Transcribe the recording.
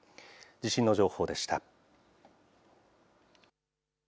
地震の情報でした。